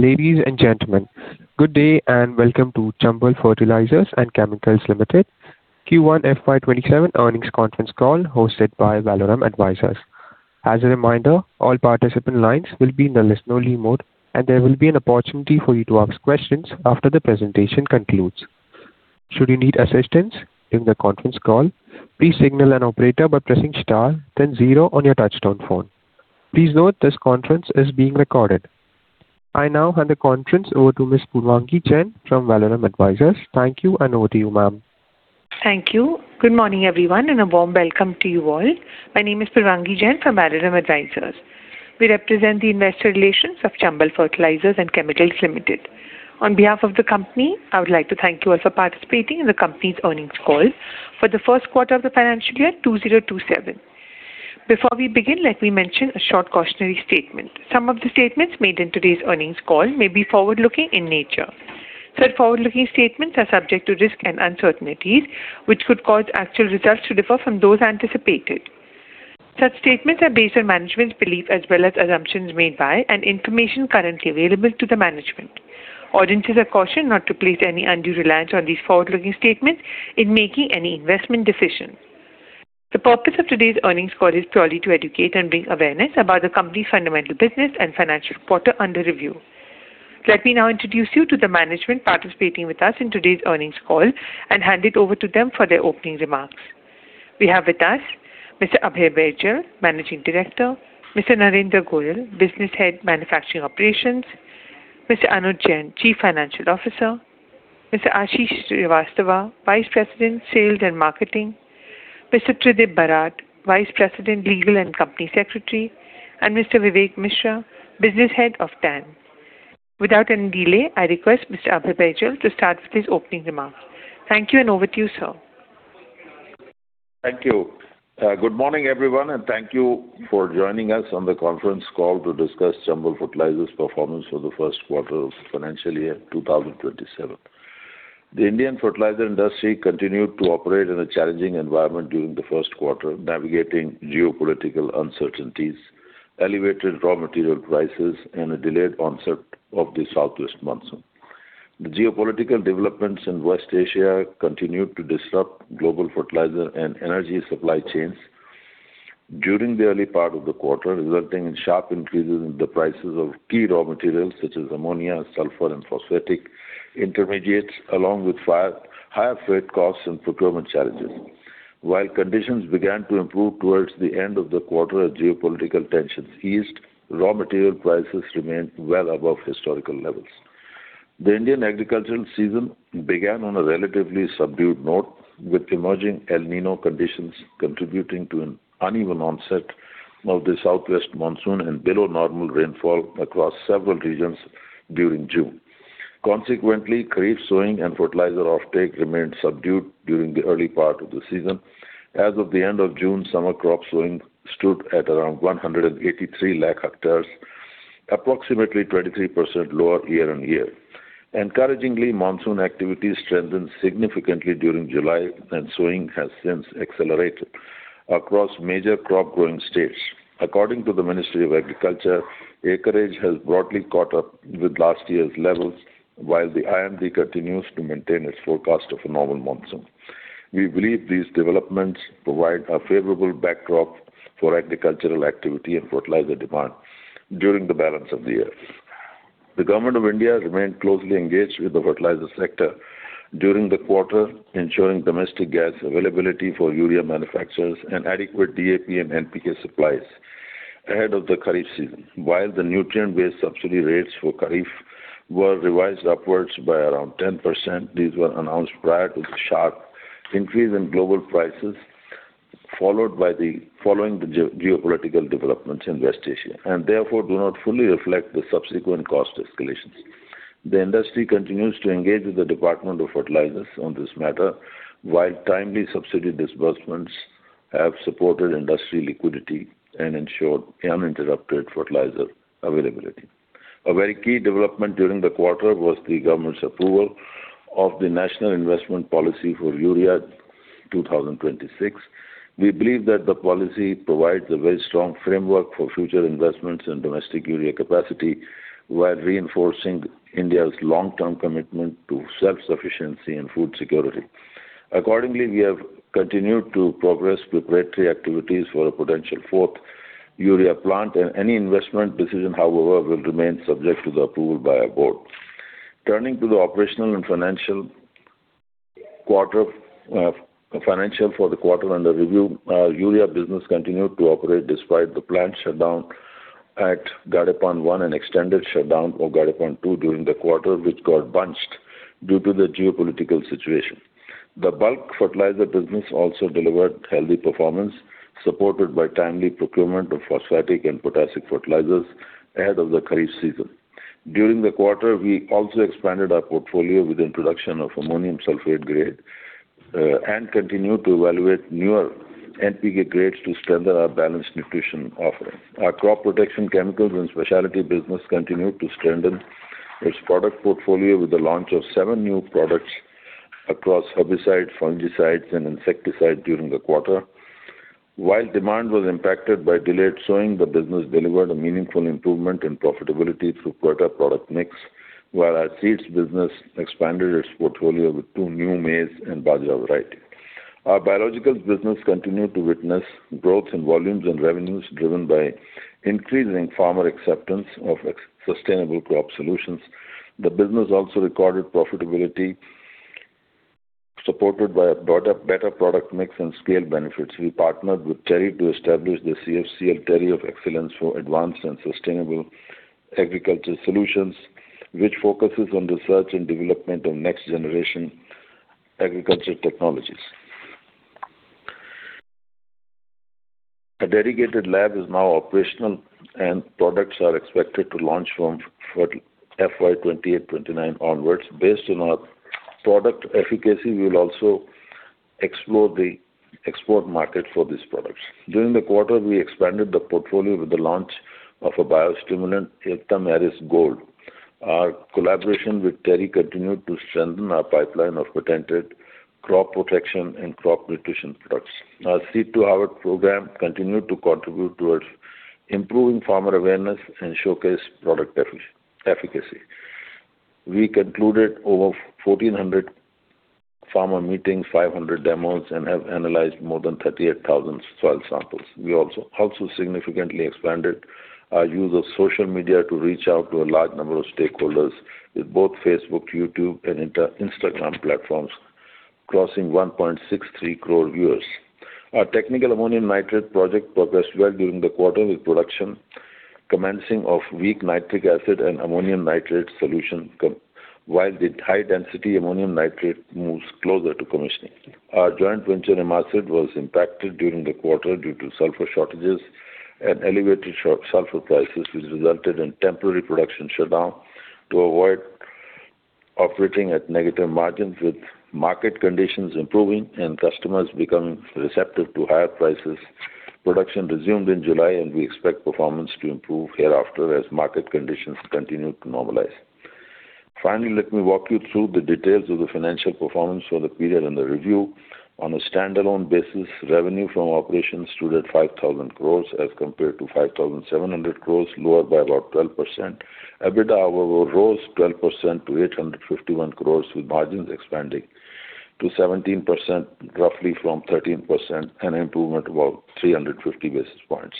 Ladies and gentlemen, good day, and welcome to Chambal Fertilisers and Chemicals Limited Q1 FY 2027 earnings conference call hosted by Valorem Advisors. As a reminder, all participant lines will be in listen-only mode, and there will be an opportunity for you to ask questions after the presentation concludes. Should you need assistance during the conference call, please signal an operator by pressing star then zero on your touchtone phone. Please note this conference is being recorded. I now hand the conference over to Ms. Purvangi Jain from Valorem Advisors. Thank you, and over to you, ma'am. Thank you. Good morning, everyone, and a warm welcome to you all. My name is Purvangi Jain from Valorem Advisors. We represent the investor relations of Chambal Fertilisers and Chemicals Limited. On behalf of the company, I would like to thank you all for participating in the company's earnings call for the first quarter of the financial year 2027. Before we begin, let me mention a short cautionary statement. Some of the statements made in today's earnings call may be forward-looking in nature. Such forward-looking statements are subject to risks and uncertainties, which could cause actual results to differ from those anticipated. Such statements are based on management's belief as well as assumptions made by and information currently available to the management. Audiences are cautioned not to place any undue reliance on these forward-looking statements in making any investment decisions. The purpose of today's earnings call is purely to educate and bring awareness about the company's fundamental business and financial quarter under review. Let me now introduce you to the management participating with us in today's earnings call and hand it over to them for their opening remarks. We have with us Mr. Abhay Baijal, Managing Director; Mr. Narinder Goyal, Business Head, Manufacturing Operations; Mr. Anuj Jain, Chief Financial Officer; Mr. Ashish Srivastava, Vice President, Sales and Marketing; Mr. Tridib Barat, Vice President, Legal and Company Secretary; and Mr. Vivek Misra, Business Head of TAN. Without any delay, I request Mr. Abhay Baijal to start with his opening remarks. Thank you, and over to you, sir. Thank you. Good morning, everyone, and thank you for joining us on the conference call to discuss Chambal Fertilisers performance for the first quarter of the financial year 2027. The Indian fertilizer industry continued to operate in a challenging environment during the first quarter, navigating geopolitical uncertainties, elevated raw material prices, and a delayed onset of the southwest monsoon. The geopolitical developments in West Asia continued to disrupt global fertilizer and energy supply chains during the early part of the quarter, resulting in sharp increases in the prices of key raw materials such as ammonia, sulfur, and phosphatic intermediates, along with higher freight costs and procurement challenges. While conditions began to improve towards the end of the quarter as geopolitical tensions eased, raw material prices remained well above historical levels. The Indian agricultural season began on a relatively subdued note, with emerging El Niño conditions contributing to an uneven onset of the southwest monsoon and below-normal rainfall across several regions during June. Consequently, kharif sowing and fertilizer offtake remained subdued during the early part of the season. As of the end of June, summer crop sowing stood at around 183 lakh hectares, approximately 23% lower year-on-year. Encouragingly, monsoon activity strengthened significantly during July, and sowing has since accelerated across major crop-growing states. According to the Ministry of Agriculture, acreage has broadly caught up with last year's levels, while the IMD continues to maintain its forecast of a normal monsoon. We believe these developments provide a favorable backdrop for agricultural activity and fertilizer demand during the balance of the year. The Government of India remained closely engaged with the fertilizer sector during the quarter, ensuring domestic gas availability for urea manufacturers and adequate DAP and NPK supplies ahead of the kharif season. While the nutrient-based subsidy rates for kharif were revised upwards by around 10%, these were announced prior to the sharp increase in global prices following the geopolitical developments in West Asia and therefore do not fully reflect the subsequent cost escalations. The industry continues to engage with the Department of Fertilizers on this matter while timely subsidy disbursements have supported industry liquidity and ensured uninterrupted fertilizer availability. A very key development during the quarter was the government's approval of the National Investment Policy for Urea 2026. We believe that the policy provides a very strong framework for future investments in domestic urea capacity while reinforcing India's long-term commitment to self-sufficiency and food security. Accordingly, we have continued to progress preparatory activities for a potential fourth urea plant, and any investment decision, however, will remain subject to the approval by our board. Turning to the operational and financial for the quarter under review, our urea business continued to operate despite the plant shutdown at Gadepan I and extended shutdown of Gadepan-II during the quarter, which got bunched due to the geopolitical situation. The bulk fertilizer business also delivered healthy performance, supported by timely procurement of phosphatic and potassic fertilizers ahead of the kharif season. During the quarter, we also expanded our portfolio with the introduction of Ammonium Sulphate grade, and continued to evaluate newer NPK grades to strengthen our balanced nutrition offering. Our crop protection chemicals and specialty business continued to strengthen its product portfolio with the launch of seven new products across herbicides, fungicides, and insecticides during the quarter. While demand was impacted by delayed sowing, the business delivered a meaningful improvement in profitability through quarter product mix, while our seeds business expanded its portfolio with two new maize and bajra varieties. Our biologicals business continued to witness growth in volumes and revenues, driven by increasing farmer acceptance of sustainable crop solutions. The business also recorded profitability supported by a better product mix and scale benefits. We partnered with TERI to establish the CFCL-TERI Centre of Excellence for Advanced and Sustainable Agriculture Solutions, which focuses on research and development of next-generation agriculture technologies. A dedicated lab is now operational, and products are expected to launch from FY 2028/2029 onwards. Based on our product efficacy, we will also explore the export market for these products. During the quarter, we expanded the portfolio with the launch of a biostimulant, Uttam Aris Gold. Our collaboration with TERI continued to strengthen our pipeline of patented crop protection and crop nutrition products. Our Seed to Harvest program continued to contribute towards improving farmer awareness and showcase product efficacy. We concluded over 1,400 farmer meetings, 500 demos, and have analyzed more than 38,000 soil samples. We also significantly expanded our use of social media to reach out to a large number of stakeholders with both Facebook, YouTube, and Instagram platforms, crossing 1.63 crore viewers. Our Technical Ammonium Nitrate project progressed well during the quarter, with production commencing of Weak Nitric Acid and Ammonium Nitrate Solution, while the High Density Ammonium Nitrate moves closer to commissioning. Our joint venture, IMACID, was impacted during the quarter due to sulfur shortages and elevated sulfur prices, which resulted in temporary production shutdown to avoid operating at negative margins. With market conditions improving and customers becoming receptive to higher prices, production resumed in July, and we expect performance to improve hereafter as market conditions continue to normalize. Finally, let me walk you through the details of the financial performance for the period under review. On a standalone basis, revenue from operations stood at 5,000 crore as compared to 5,700 crore, lower by about 12%. EBITDA, however, rose 12% to 851 crore, with margins expanding to 17%, roughly from 13%, an improvement of about 350 basis points.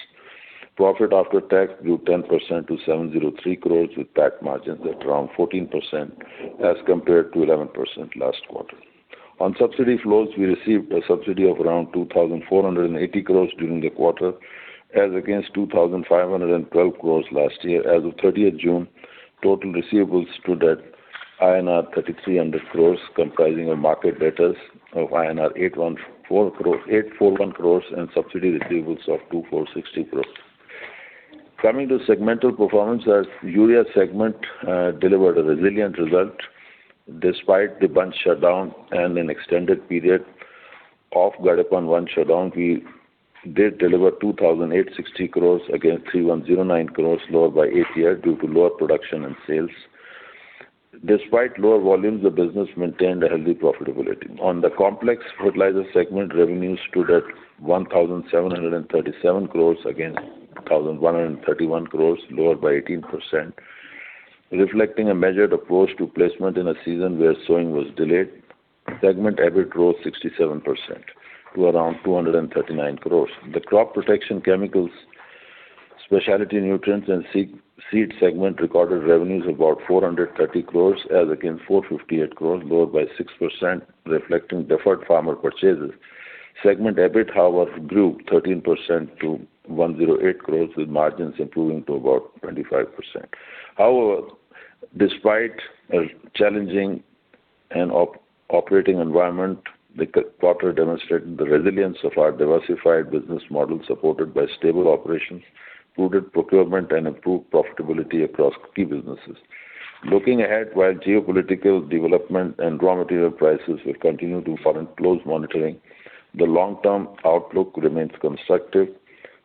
Profit after tax grew 10% to 703 crore, with PAT margins at around 14% as compared to 11% last quarter. On subsidy flows, we received a subsidy of around 2,480 crore during the quarter, as against 2,512 crore last year. As of June 30, total receivables stood at INR 3,300 crore, comprising of market debtors of 841 crore and subsidy receivables of 2,460 crore. Coming to segmental performance, our urea segment delivered a resilient result. Despite the bunched shutdown and an extended period of Gadepan I shutdown, we did deliver 2,860 crore against 3,109 crore, lower by 8% due to lower production and sales. Despite lower volumes, the business maintained a healthy profitability. On the complex fertilizer segment, revenues stood at 1,737 crore against 1,131 crore, lower by 18%, reflecting a measured approach to placement in a season where sowing was delayed. Segment EBIT rose 67% to around 239 crore. The crop protection chemicals, specialty nutrients and seed segment recorded revenues of about 430 crore as against 458 crore, lower by 6%, reflecting deferred farmer purchases. Segment EBIT, however, grew 13% to 108 crore, with margins improving to about 25%. However, despite a challenging operating environment, the quarter demonstrated the resilience of our diversified business model, supported by stable operations, prudent procurement, and improved profitability across key businesses. Looking ahead, while geopolitical development and raw material prices will continue to warrant close monitoring, the long-term outlook remains constructive.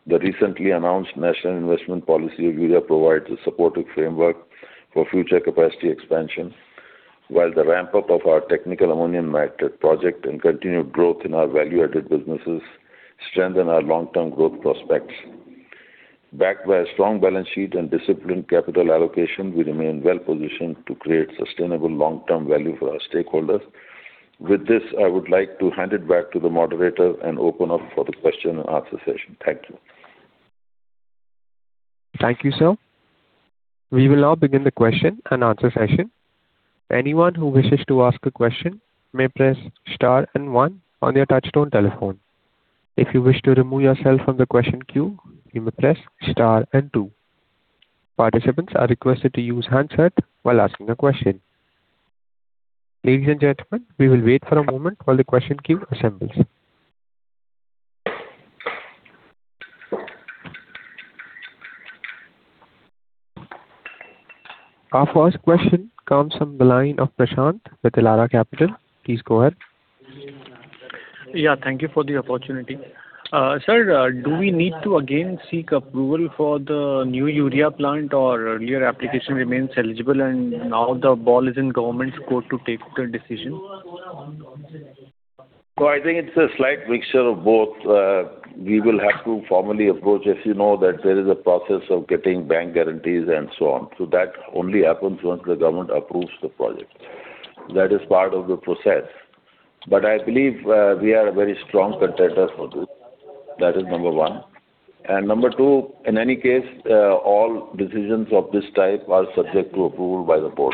The recently announced National Investment Policy for Urea provides a supportive framework for future capacity expansion. While the ramp-up of our Technical Ammonium Nitrate project and continued growth in our value-added businesses strengthen our long-term growth prospects. Backed by a strong balance sheet and disciplined capital allocation, we remain well-positioned to create sustainable long-term value for our stakeholders. With this, I would like to hand it back to the moderator and open up for the question and answer session. Thank you. Thank you, sir. We will now begin the question-and-answer session. Anyone who wishes to ask a question may press star and one on your touchtone telephone. If you wish to remove yourself from the question queue, you may press star and two. Participants are requested to use handset while asking a question. Ladies and gentlemen, we will wait for a moment while the question queue assembles. Our first question comes from the line of Prashant with Elara Capital. Please go ahead. Yeah, thank you for the opportunity. Sir, do we need to again seek approval for the new urea plant, or earlier application remains eligible and now the ball is in government's court to take the decision? I think it's a slight mixture of both. We will have to formally approach, as you know, that there is a process of getting bank guarantees and so on. That only happens once the government approves the project. That is part of the process. I believe we are a very strong contender for this. That is number one. Number two, in any case, all decisions of this type are subject to approval by the board.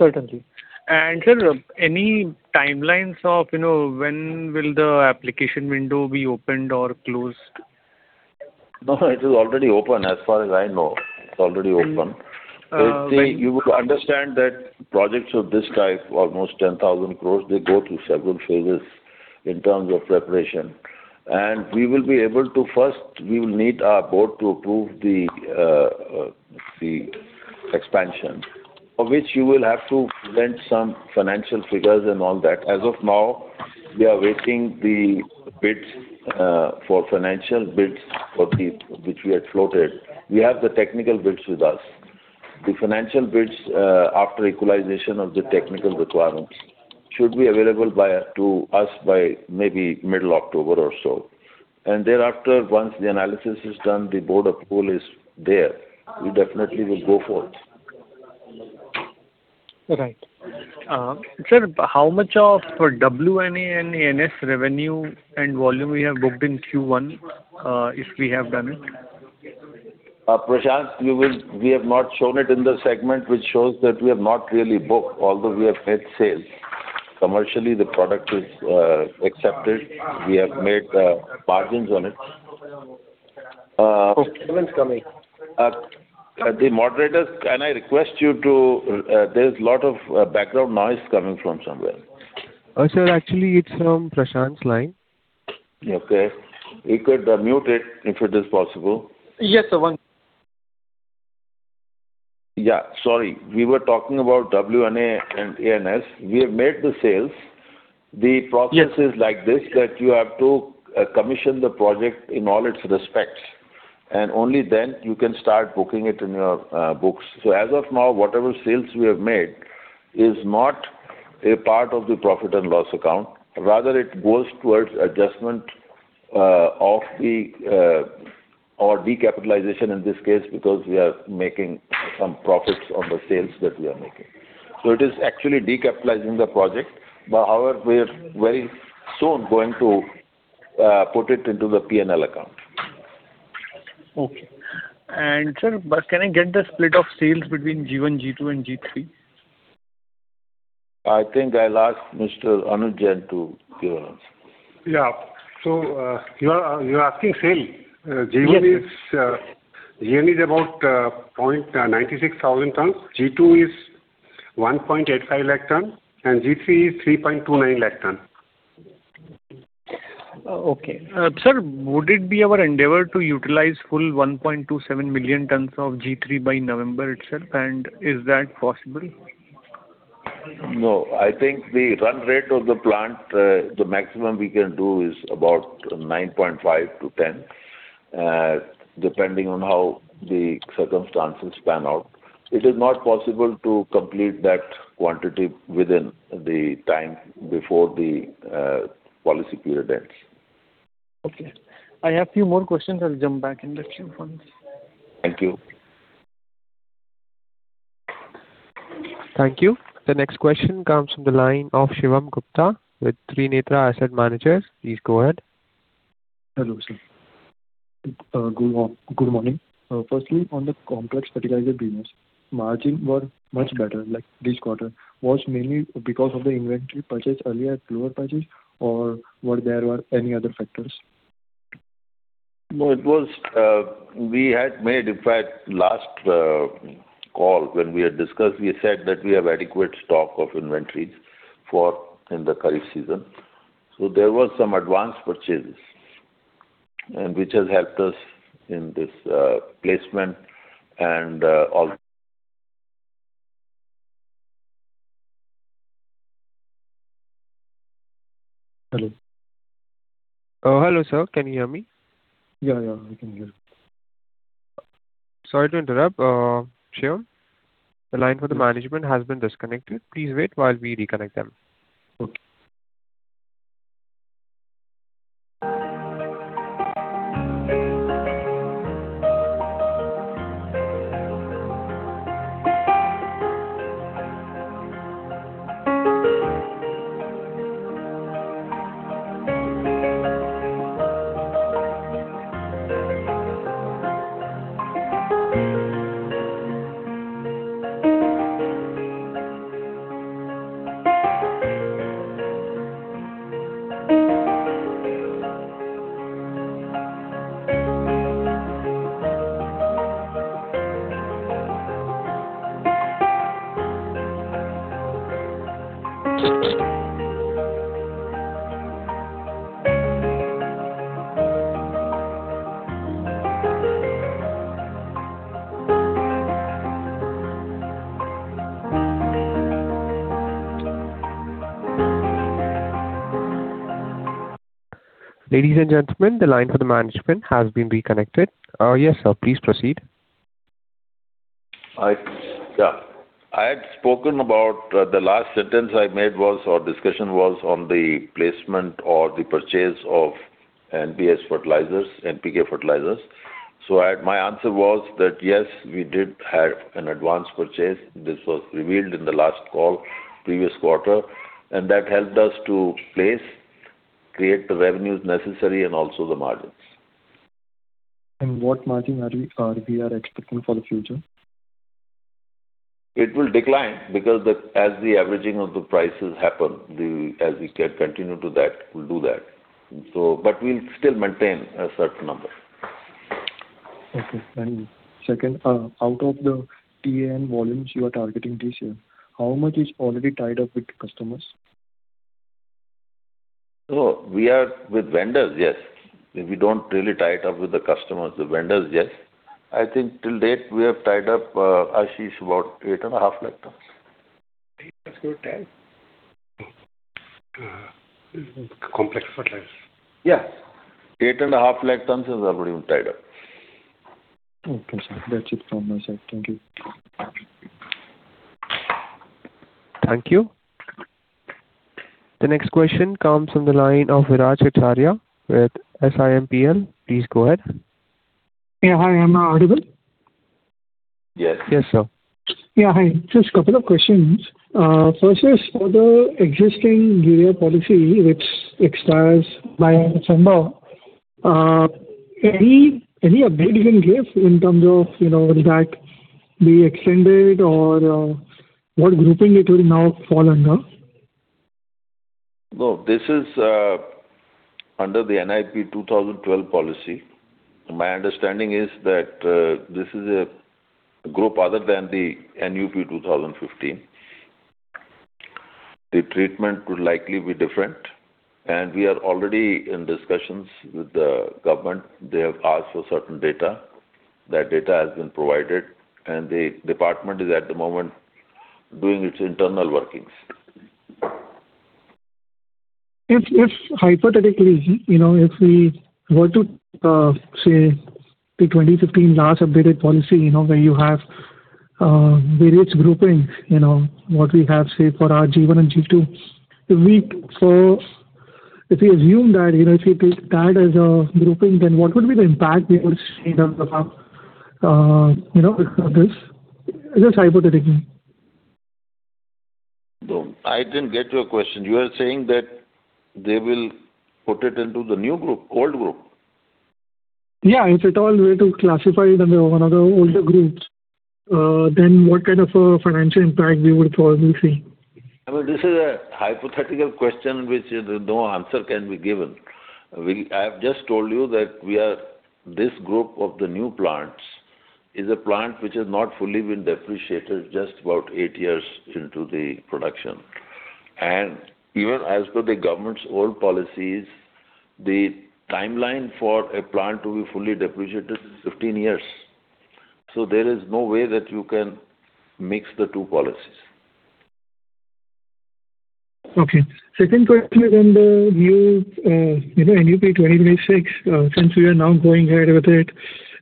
Certainly. Sir, any timelines of when will the application window be opened or closed? No, it is already open as far as I know. It is already open. And- You would understand that projects of this type, almost 10,000 crore, they go through several phases in terms of preparation. First, we will need our board to approve the expansion, for which you will have to present some financial figures and all that. As of now, we are waiting the financial bids which we had floated. We have the technical bids with us. The financial bids, after equalization of the technical requirements, should be available to us by maybe mid-October or so. Thereafter, once the analysis is done, the board approval is there, we definitely will go forth. Right. Sir, how much of WNA and ANS revenue and volume we have booked in Q1, if we have done it? Prashant, we have not shown it in the segment, which shows that we have not really booked, although we have made sales. Commercially, the product is accepted. We have made margins on it. Okay. The moderators, there's a lot of background noise coming from somewhere. Sir, actually, it's from Prashant's line. Okay. He could mute it if it is possible. Yes, sir. Sorry. We were talking about WNA and ANS. We have made the sales. Yes. The process is like this, that you have to commission the project in all its respects, Only then you can start booking it in your books. As of now, whatever sales we have made is not a part of the profit and loss account. Rather, it goes towards adjustment of our decapitalization in this case because we are making some profits on the sales that we are making. So it is actually decapitalizing the project. However, we're very soon going to put it into the P&L account. Okay. Sir, can I get the split of sales between G1, G2, and G3? I think I'll ask Mr. Anuj Jain to give an answer. Yeah. You're asking sale? Yes. G1 is about 96,000 tons. G2 is 1.85 lakh ton, and G3 is 3.29 lakh ton. Okay. Sir, would it be our endeavor to utilize full 1.27 million tons of G3 by November itself, and is that possible? No. I think the run rate of the plant, the maximum we can do is about 9.5 to 10, depending on how the circumstances pan out. It is not possible to complete that quantity within the time before the policy period ends. Okay. I have few more questions. I'll jump back in the queue. Thank you. Thank you. The next question comes from the line of Shivam Gupta with Trinetra Asset Managers. Please go ahead. Hello, sir. Good morning. Firstly, on the complex fertilizer business, margin were much better this quarter. Was it mainly because of the inventory purchase earlier at lower prices, or were there any other factors? No. In fact, last call when we had discussed, we said that we have adequate stock of inventories in the current season. There were some advanced purchases, which has helped us in this placement and all Hello? Hello, sir. Can you hear me? Yeah. I can hear. Sorry to interrupt. Shivam, the line for the management has been disconnected. Please wait while we reconnect them. Okay. Ladies and gentlemen, the line for the management has been reconnected. Yes, sir, please proceed. Yeah. The last sentence I made was our discussion was on the placement or the purchase of NPK fertilizers. My answer was that, yes, we did have an advance purchase. This was revealed in the last call previous quarter, that helped us to place, create the revenues necessary and also the margins. What margin are we expecting for the future? It will decline because as the averaging of the prices happen, as we can continue to that, we'll do that. We'll still maintain a certain number. Okay, thank you. Second, out of the TAN volumes you are targeting this year, how much is already tied up with customers? No. We are with vendors, yes. We don't really tie it up with the customers. The vendors, yes. I think till date we have tied up, Ashish, about 8.5 lakh tons. Eight and a half lakh ton? Complex fertilizers. Yeah. Eight and a half lakh tons is already tied up. Okay, sir. That's it from my side. Thank you. Thank you. The next question comes from the line of Viraj Kacharia with SiMPL. Please go ahead. Yeah, hi. Am I audible? Yes. Yes, sir. Yeah, hi. Just a couple of questions. First is for the existing urea policy which expires by December. Any update you can give in terms of will that be extended or what grouping it will now fall under? This is under the NIP 2012 policy. My understanding is that this is a group other than the NUP 2015. The treatment could likely be different. We are already in discussions with the government. They have asked for certain data. That data has been provided. The department is at the moment doing its internal workings. If hypothetically, if we were to say the 2015 last updated policy where you have various grouping, what we have, say, for our G1 and G2. If we assume that if we take that as a grouping, then what would be the impact we would see on the map with this? Just hypothetically. I didn't get your question. You are saying that they will put it into the new group, old group? Yeah. If at all they were to classify it under one of the older groups, then what kind of a financial impact we would probably see? This is a hypothetical question which no answer can be given. I've just told you that this group of the new plants is a plant which has not fully been depreciated, just about eight years into the production. Even as per the government's old policies, the timeline for a plant to be fully depreciated is 15 years. There is no way that you can mix the two policies. Okay. Second question is on the new NUP 2026, since we are now going ahead with it.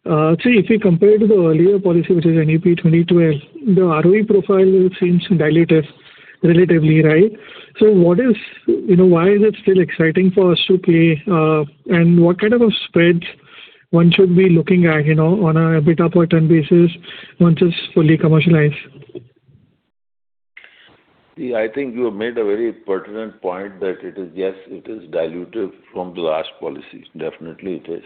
If we compare it to the earlier policy, which is NUP 2012, the ROE profile seems dilutive relatively, right? Why is it still exciting for us to play, and what kind of spreads one should be looking at on an EBITDA per ton basis once it's fully commercialized? I think you have made a very pertinent point that it is, yes, it is dilutive from the last policy. Definitely it is.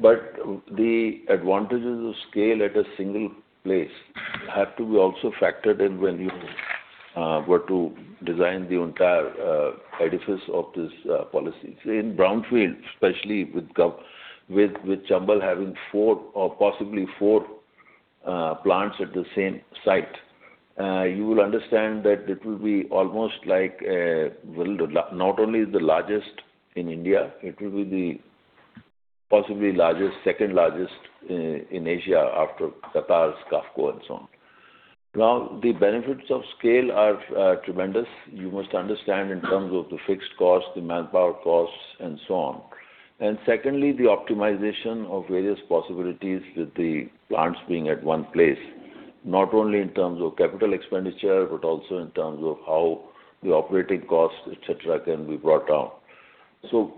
The advantages of scale at a single place have to be also factored in when you were to design the entire edifice of this policy. In brownfield, especially with Chambal having possibly four plants at the same site. You will understand that it will be almost like not only the largest in India, it will be the possibly second largest in Asia after Qatar's QAFCO and so on. Now, the benefits of scale are tremendous. You must understand in terms of the fixed cost, the manpower costs, and so on. Secondly, the optimization of various possibilities with the plants being at one place, not only in terms of capital expenditure, but also in terms of how the operating costs, et cetera, can be brought down.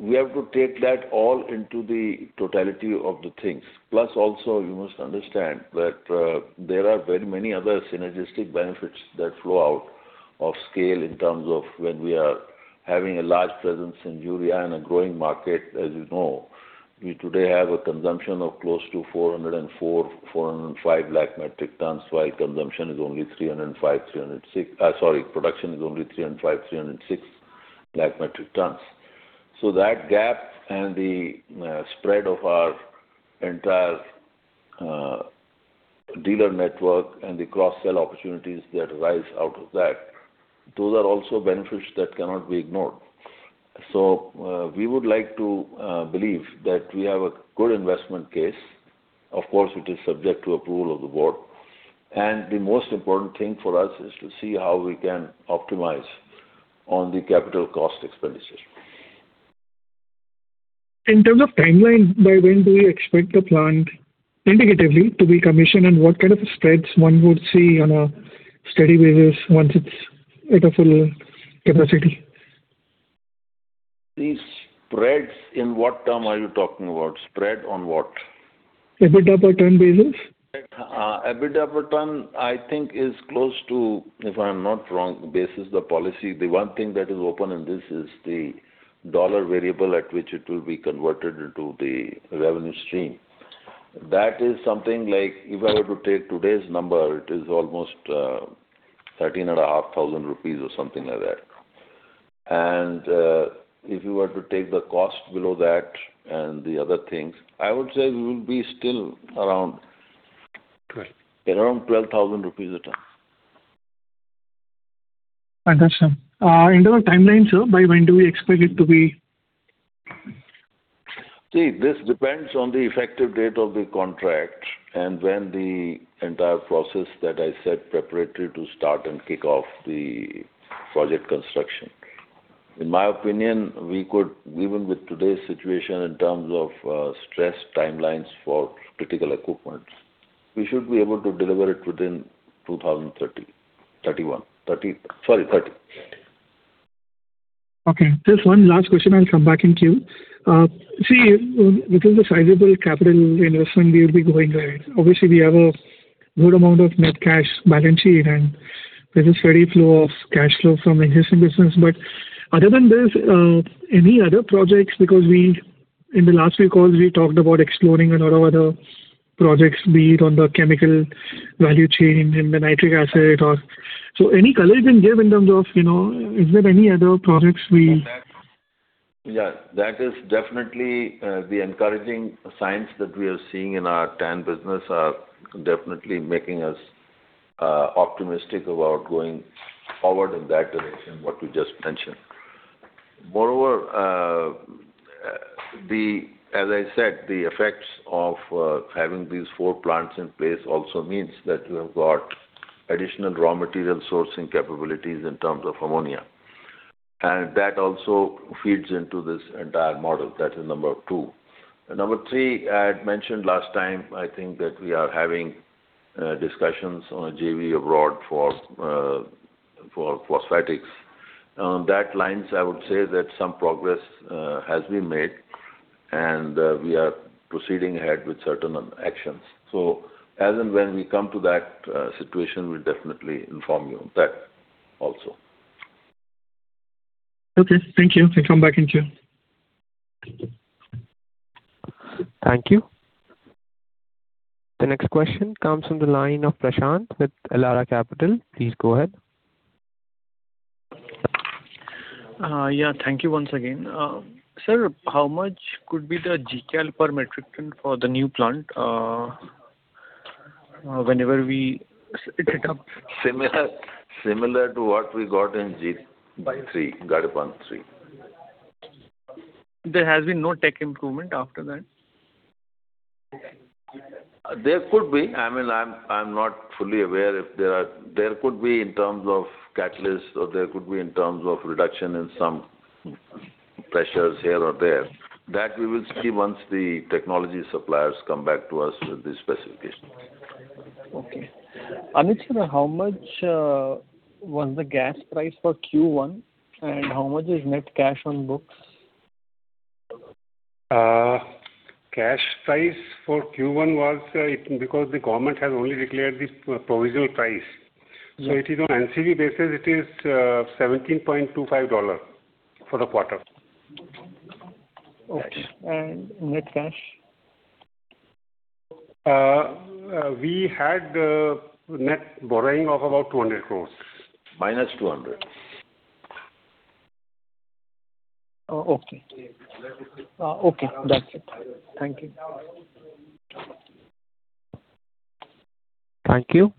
We have to take that all into the totality of the things. You must understand that there are very many other synergistic benefits that flow out of scale in terms of when we are having a large presence in urea and a growing market, as you know. We today have a consumption of close to 404, 405 lakh metric tons, while production is only 305, 306 lakh metric tons. That gap and the spread of our entire dealer network and the cross-sell opportunities that arise out of that, those are also benefits that cannot be ignored. We would like to believe that we have a good investment case. Of course, it is subject to approval of the board. The most important thing for us is to see how we can optimize on the capital cost expenditure. In terms of timeline, by when do you expect the plant indicatively to be commissioned, and what kind of spreads one would see on a steady basis once it's at a full capacity? The spreads, in what term are you talking about? Spread on what? EBITDA per ton basis. EBITDA per ton, I think is close to, if I'm not wrong, basis the policy, the one thing that is open in this is the dollar variable at which it will be converted into the revenue stream. That is something like, if I were to take today's number, it is almost 13,500 rupees or something like that. If you were to take the cost below that and the other things, I would say we will be still around. Correct Around INR 12,000 a ton. Understood. In terms of timelines, sir, by when do we expect it to be? This depends on the effective date of the contract and when the entire process that I said preparatory to start and kick off the project construction. In my opinion, even with today's situation in terms of stress timelines for critical equipment, we should be able to deliver it within 2030. 2031. Sorry, 2030. Okay. Just one last question, I'll come back in queue. This is a sizable capital investment we will be going ahead. Obviously, we have a good amount of net cash balance sheet, and there's a steady flow of cash flow from existing business. Other than this, any other projects? In the last few calls, we talked about exploring a lot of other projects, be it on the chemical value chain, in the nitric acid. Any color you can give in terms of is there any other projects we- That is definitely the encouraging signs that we are seeing in our TAN business are definitely making us optimistic about going forward in that direction, what you just mentioned. Moreover, as I said, the effects of having these four plants in place also means that we have got additional raw material sourcing capabilities in terms of ammonia. That also feeds into this entire model. That is number two. Number three, I had mentioned last time, I think that we are having discussions on a JV abroad for phosphatics. On that lines, I would say that some progress has been made, and we are proceeding ahead with certain actions. As and when we come to that situation, we'll definitely inform you on that also. Okay, thank you. I'll come back in queue. Thank you. The next question comes from the line of Prashant with Elara Capital. Please go ahead. Yeah, thank you once again. Sir, how much could be the Gcal per metric ton for the new plant whenever we set it up? Similar to what we got in Gadepan III. There has been no tech improvement after that? There could be. I am not fully aware. There could be in terms of catalysts, or there could be in terms of reduction in some pressures here or there. That we will see once the technology suppliers come back to us with the specifications. Okay. Anuj sir, how much was the gas price for Q1, and how much is net cash on books? Cash price for Q1, because the government has only declared the provisional price. It is on [NCD] basis, it is $17.25 for the quarter. Okay. Net cash? We had net borrowing of about 200 crores. -200. Okay. That's it. Thank you. Thank you.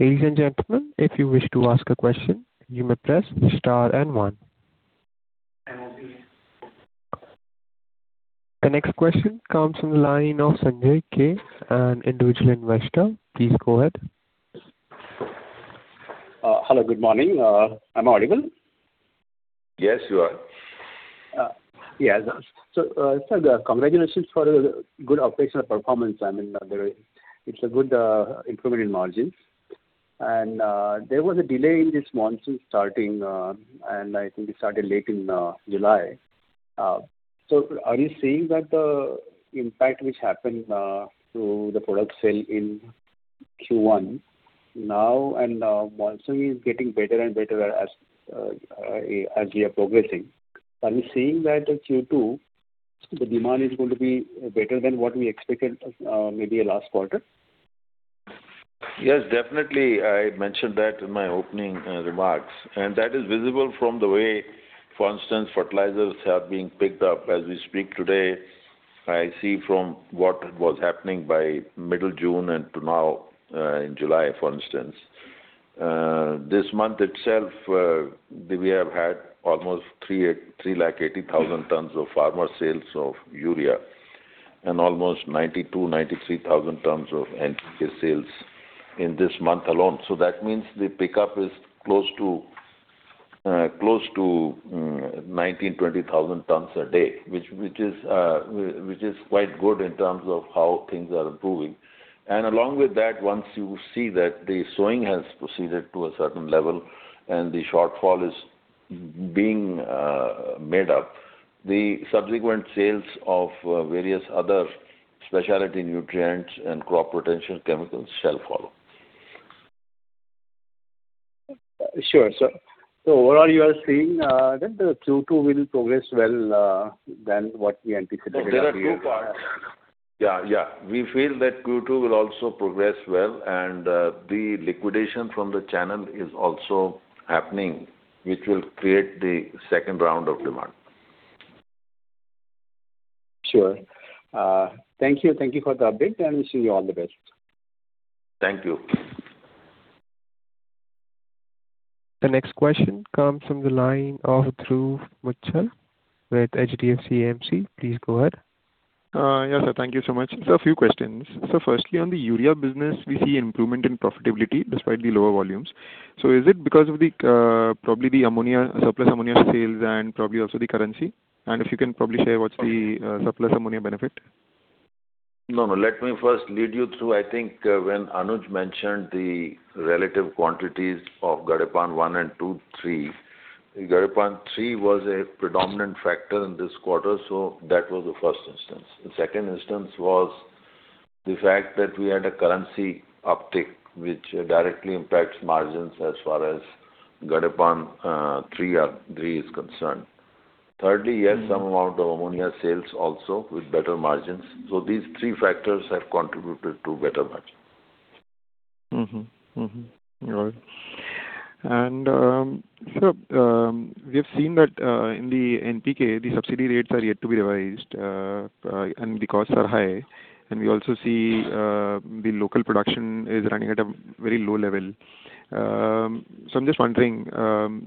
Ladies and gentlemen, if you wish to ask a question, you may press star and one. The next question comes from the line of [Sanjay K.], an individual investor. Please go ahead. Hello, good morning. Am I audible? Yes, you are. sir, congratulations for the good operational performance. It's a good improvement in margins. There was a delay in this monsoon starting, and I think it started late in July. Are you saying that the impact which happened to the product sale in Q1 now and monsoon is getting better and better as we are progressing. Are we saying that in Q2, the demand is going to be better than what we expected maybe last quarter? Yes, definitely. I mentioned that in my opening remarks. That is visible from the way, for instance, fertilizers have been picked up. As we speak today, I see from what was happening by middle June and to now in July, for instance. This month itself, we have had almost 380,000 tons of farmer sales of urea and almost 92,000, 93,000 tons of NPK sales in this month alone. That means the pickup is close to 19,000, 20,000 tons a day, which is quite good in terms of how things are improving. Along with that, once you see that the sowing has proceeded to a certain level and the shortfall is being made up, the subsequent sales of various other specialty nutrients and crop protection chemicals shall follow. Sure. Overall, you are seeing that the Q2 will progress well than what we anticipated earlier. There are two parts. Yeah. We feel that Q2 will also progress well, and the liquidation from the channel is also happening, which will create the second round of demand. Sure. Thank you. Thank you for the update. Wish you all the best. Thank you. The next question comes from the line of Dhruv Muchhal with HDFC AMC. Please go ahead. Yes. Thank you so much. A few questions. Firstly, on the urea business, we see improvement in profitability despite the lower volumes. Is it because of probably the surplus ammonia sales and probably also the currency? If you can probably share what's the surplus ammonia benefit? No. Let me first lead you through. I think when Anuj mentioned the relative quantities of Gadepan I, II, and III. Gadepan III was a predominant factor in this quarter. That was the first instance. The second instance was the fact that we had a currency uptick, which directly impacts margins as far as Gadepan III is concerned. Thirdly, yes, some amount of ammonia sales also with better margins. These three factors have contributed to better margins. All right. We have seen that in the NPK, the subsidy rates are yet to be revised, and the costs are high. We also see the local production is running at a very low level. I'm just wondering,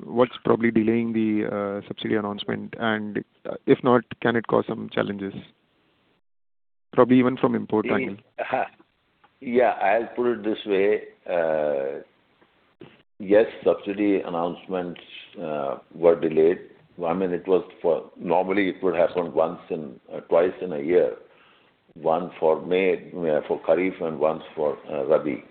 what's probably delaying the subsidy announcement, and if not, can it cause some challenges, probably even from import angle. I'll put it this way. Yes, subsidy announcements were delayed. Normally, it would happen twice in a year, once for Kharif and once for Rabi.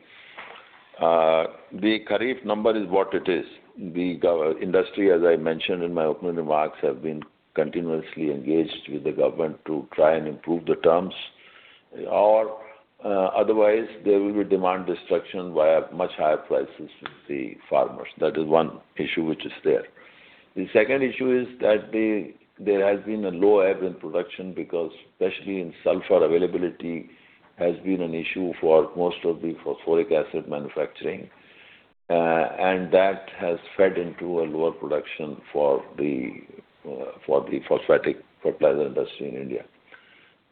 The Kharif number is what it is. The industry, as I mentioned in my opening remarks, have been continuously engaged with the government to try and improve the terms. Otherwise, there will be demand destruction via much higher prices to the farmers. That is one issue which is there. The second issue is that there has been a low ebb in production because especially in sulfur availability has been an issue for most of the phosphoric acid manufacturing. That has fed into a lower production for the phosphatic fertilizer industry in India.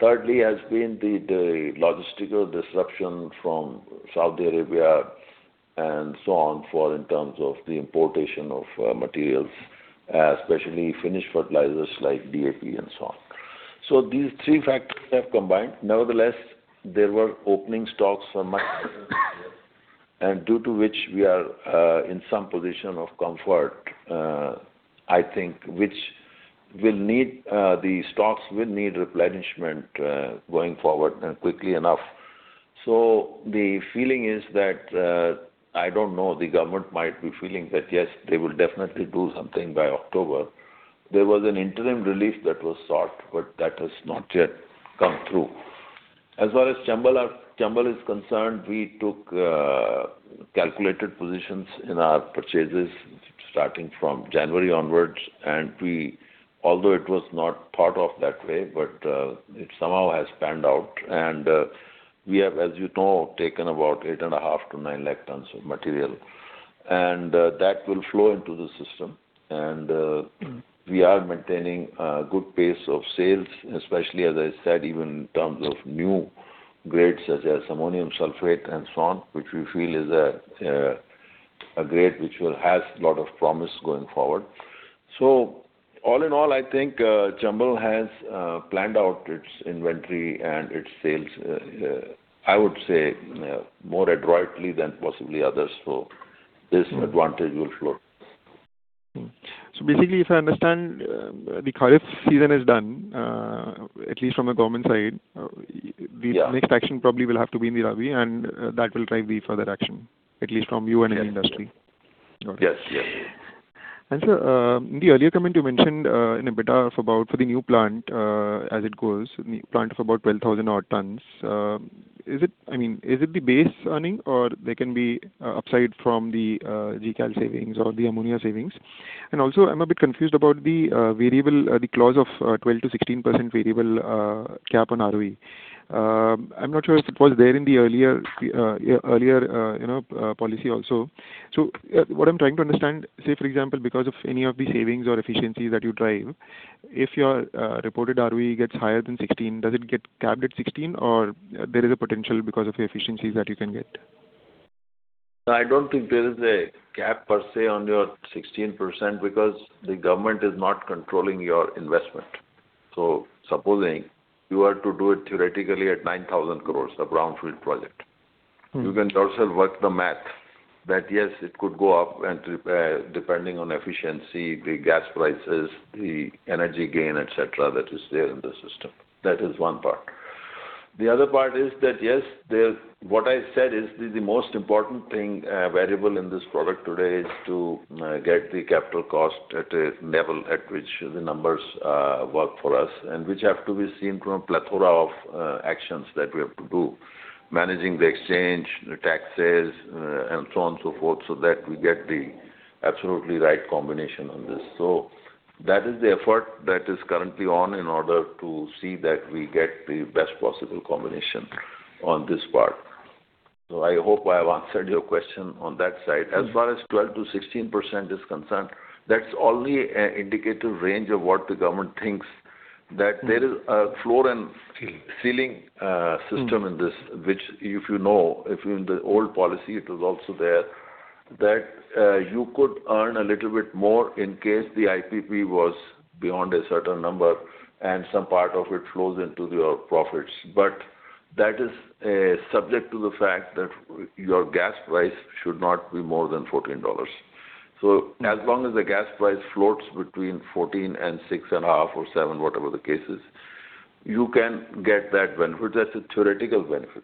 Thirdly has been the logistical disruption from Saudi Arabia and so on, in terms of the importation of materials, especially finished fertilizers like DAP and so on. These three factors have combined. Nevertheless, there were opening stocks for much and due to which we are in some position of comfort, I think. The stocks will need replenishment going forward and quickly enough. The feeling is that, I don't know, the government might be feeling that, yes, they will definitely do something by October. There was an interim relief that was sought, but that has not yet come through. As far as Chambal is concerned, we took calculated positions in our purchases starting from January onwards. Although it was not thought of that way, but it somehow has panned out. We have, as you know, taken about 8.5 to 9 lakh tons of material. That will flow into the system. We are maintaining a good pace of sales, especially, as I said, even in terms of new grades such as Ammonium Sulphate and so on, which we feel is a grade which has a lot of promise going forward. All in all, I think Chambal has planned out its inventory and its sales, I would say more adroitly than possibly others. This advantage will flow. Basically, if I understand, the Kharif season is done, at least from the government side. Yeah. The next action probably will have to be in the Rabi. That will drive the further action, at least from you and the industry. Yes. Sir, in the earlier comment you mentioned an EBITDA for the new plant, as it goes, plant of about 12,000 odd tons. Is it the base earning or there can be upside from the Gcal savings or the ammonia savings? I'm a bit confused about the clause of 12%-16% variable cap on ROE. I'm not sure if it was there in the earlier policy also. What I'm trying to understand, say for example, because of any of the savings or efficiencies that you drive, if your reported ROE gets higher than 16%, does it get capped at 16% or there is a potential because of the efficiencies that you can get? No, I don't think there is a cap per se on your 16% because the government is not controlling your investment. Supposing you were to do it theoretically at 9,000 crore of brownfield project. You can also work the math that, yes, it could go up and depending on efficiency, the gas prices, the energy gain, etc., that is there in the system. That is one part. The other part is that, yes, what I said is the most important thing, variable in this product today is to get the capital cost at a level at which the numbers work for us and which have to be seen from a plethora of actions that we have to do. Managing the exchange, the taxes, and so on so forth, so that we get the absolutely right combination on this. That is the effort that is currently on in order to see that we get the best possible combination on this part. I hope I have answered your question on that side. As far as 12%-16% is concerned, that's only an indicative range of what the government thinks, that there is a floor and ceiling system. Ceiling. Ceiling system in this, which if you know, if in the old policy, it was also there, that you could earn a little bit more in case the IPP was beyond a certain number and some part of it flows into your profits. That is subject to the fact that your gas price should not be more than $14. As long as the gas price floats between $14 and $6.5 or $7, whatever the case is, you can get that benefit. That's a theoretical benefit.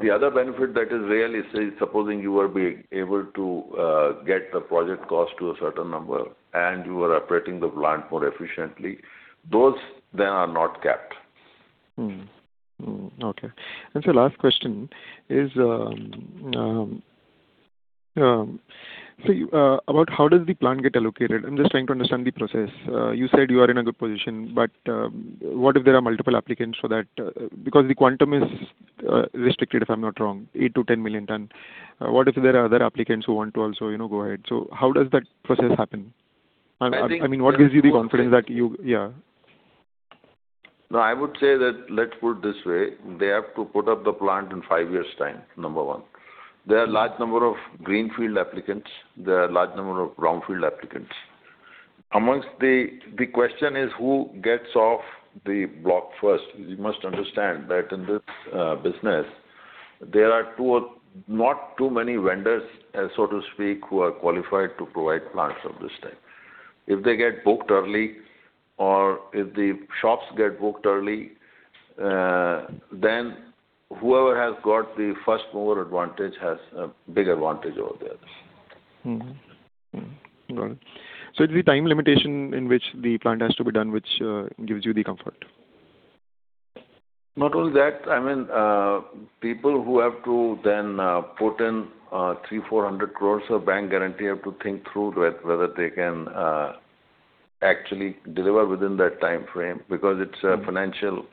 The other benefit that is really, say, supposing you will be able to get the project cost to a certain number and you are operating the plant more efficiently, those then are not capped. Okay. Sir, last question is about how does the plant get allocated? I am just trying to understand the process. You said you are in a good position, but what if there are multiple applicants for that? Because the quantum is restricted, if I am not wrong, 8 to 10 million tons. What if there are other applicants who want to also go ahead? How does that process happen? What gives you the confidence that you? I would say that, let's put it this way, they have to put up the plant in five years' time, number one. There are large number of greenfield applicants, there are large number of brownfield applicants. The question is who gets off the block first? You must understand that in this business, there are not too many vendors, so to speak, who are qualified to provide plants of this type. If they get booked early or if the shops get booked early, then whoever has got the first-mover advantage has a big advantage over there. Got it. It's the time limitation in which the plant has to be done, which gives you the comfort. Not only that, people who have to then put in 300 crores, 400 crores of bank guarantee have to think through whether they can actually deliver within that timeframe, because it's a financial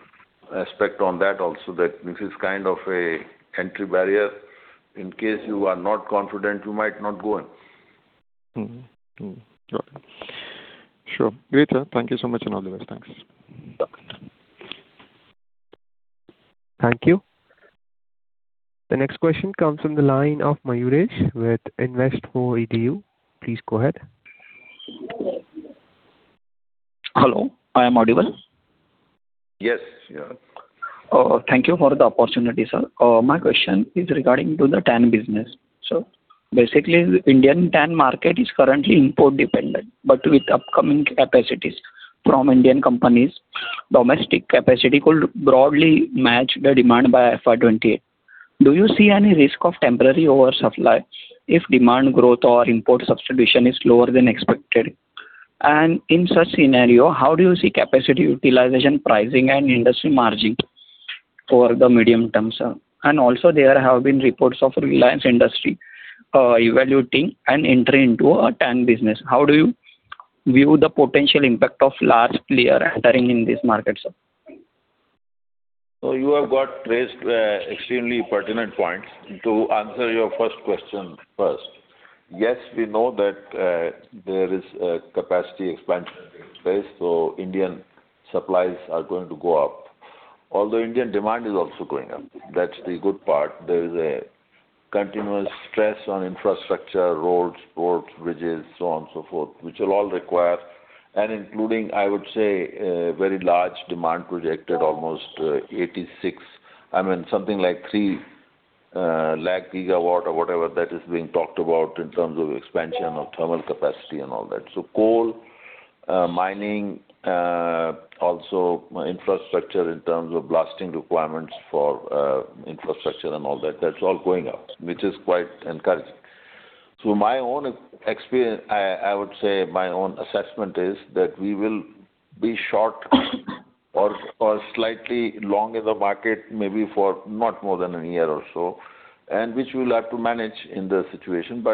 aspect on that also that this is kind of an entry barrier. In case you are not confident, you might not go in. Got it. Sure. Great, sir. Thank you so much and all the best. Thanks. Welcome. Thank you. The next question comes from the line of Mayuresh with invest4Edu. Please go ahead. Hello, I am audible? Yes. Thank you for the opportunity, sir. My question is regarding to the TAN business. Basically, Indian TAN market is currently import dependent, but with upcoming capacities from Indian companies, domestic capacity could broadly match the demand by FY 2028. Do you see any risk of temporary oversupply if demand growth or import substitution is lower than expected? In such scenario, how do you see capacity utilization, pricing, and industry margin for the medium term, sir? Also, there have been reports of Reliance Industries evaluating and entering into a TAN business. How do you view the potential impact of large player entering in this market, sir? You have raised extremely pertinent points. To answer your first question first. Yes, we know that there is a capacity expansion taking place, so Indian supplies are going to go up. Although Indian demand is also going up. That's the good part. There is a continuous stress on infrastructure, roads, ports, bridges, so on so forth, which will all require and including, I would say, a very large demand projected, almost 86%. I mean, something like 3 lakh gigawatt or whatever that is being talked about in terms of expansion of thermal capacity and all that. Coal mining, also infrastructure in terms of blasting requirements for infrastructure and all that. That's all going up, which is quite encouraging. I would say my own assessment is that we will be short or slightly long in the market, maybe for not more than a year or so, and which we'll have to manage in the situation.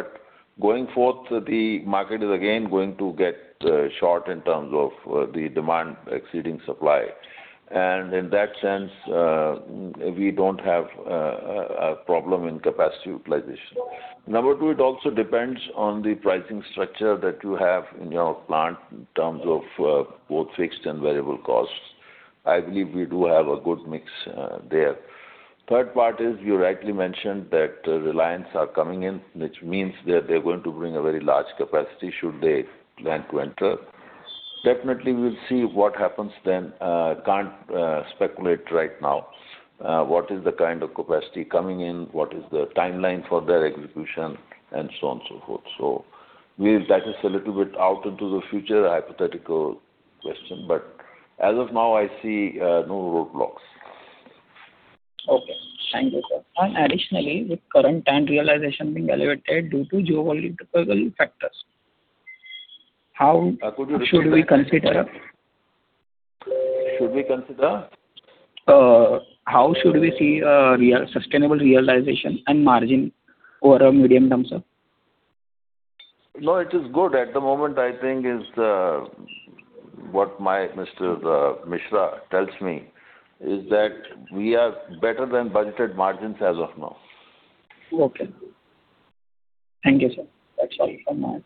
Going forth, the market is again going to get short in terms of the demand exceeding supply. In that sense, we don't have a problem in capacity utilization. Number two, it also depends on the pricing structure that you have in your plant in terms of both fixed and variable costs. I believe we do have a good mix there. Third part is you rightly mentioned that Reliance are coming in, which means that they're going to bring a very large capacity should they plan to enter. Definitely, we'll see what happens then. Can't speculate right now. What is the kind of capacity coming in, what is the timeline for their execution, and so on and so forth. That is a little bit out into the future, a hypothetical question. As of now, I see no roadblocks. Okay. Thank you, sir. Additionally, with current TAN realization being elevated due to geopolitical factors, how should we consider- Should we consider? How should we see sustainable realization and margin over a medium term, sir? No, it is good. At the moment, I think what Mr. Mishra tells me is that we are better than budgeted margins as of now. Okay. Thank you, sir. That's all from my end.